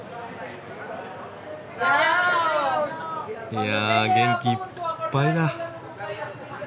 いや元気いっぱいだ。